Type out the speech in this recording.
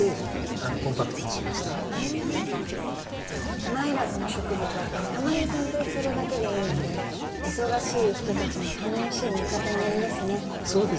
手間いらずな植物はたまにせん定するだけでいいので忙しい人たちの頼もしい味方になりますね。